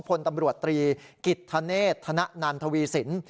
พลตำรวจตรีกิจธเนธนนันทวีสิน